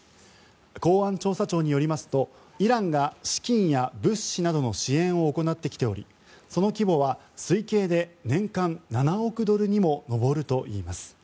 公安調査庁によりますとイランが資金や物資などの支援を行ってきておりその規模は推計で年間７億ドルに上るといいます。